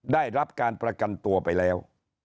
ได้รับการประกันตัวไปแล้ว